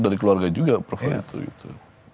dari keluarga juga approve gitu